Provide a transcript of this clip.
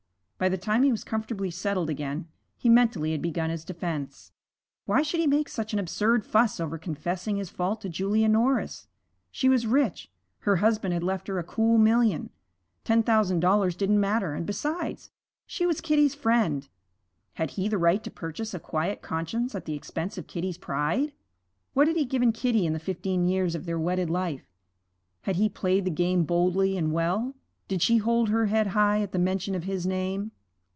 By the time he was comfortably settled again, he mentally had begun his defense. Why should he make such an absurd fuss over confessing his fault to Julia Norris? She was rich; her husband had left her a cool million. Ten thousand dollars didn't matter, and besides, she was Kitty's friend. Had he the right to purchase a quiet conscience at the expense of Kitty's pride? What had he given Kitty in the fifteen years of their wedded life? Had he played the game boldly and well? Did she hold her head high at the mention of his name?